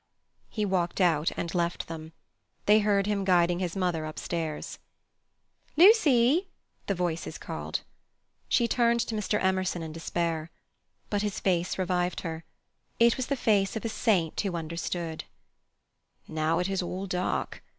He walked out and left them. They heard him guiding his mother up stairs. "Lucy!" the voices called. She turned to Mr. Emerson in despair. But his face revived her. It was the face of a saint who understood. "Now it is all dark.